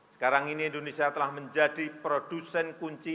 sekarang ini indonesia telah menjadi produsen kunci